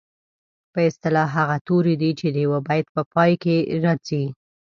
په اصطلاح هغه توري دي چې د یوه بیت په پای کې راځي.